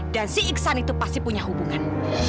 dan si iksan itu pasti punya hubungan